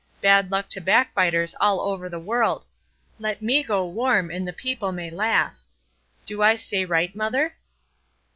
Bad luck to backbiters all over the world; 'let me go warm and the people may laugh.' Do I say right, mother?"